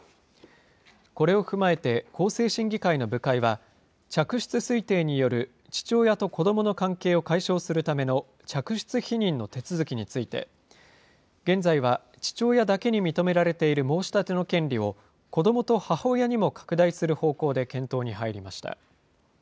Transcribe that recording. これを踏まえて、法制審議会の部会は、嫡出推定による父親と子どもの関係を解消するための嫡出否認の手続きについて、現在は父親だけに認められている申し立ての権利を、子どもと母親にも拡大する方向で検討に入りました。